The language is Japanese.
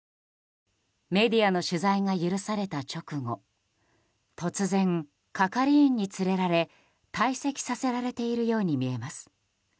メディアの取材が許された直後突然、係員に連れられ退席させられているように見えます。